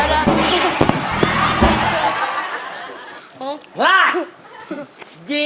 ได้ดี